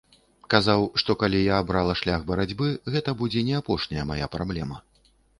Казаў, што калі я абрала шлях барацьбы, гэта будзе не апошняя мая праблема.